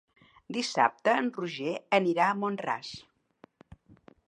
Dissabte en Roger anirà a Mont-ras.